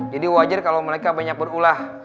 jadi wajar kalau mereka banyak berulah